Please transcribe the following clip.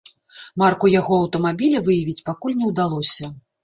Марку яго аўтамабіля выявіць пакуль не ўдалося.